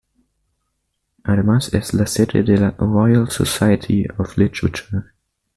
Además es la sede de la Royal Society of Literature.